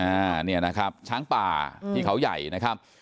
อ่าเนี่ยนะครับช้างป่าที่เขาใหญ่นะครับ